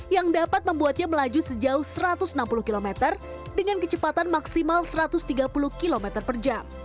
yang dapat membuatnya melaju sejauh satu ratus enam puluh km dengan kecepatan maksimal satu ratus tiga puluh km per jam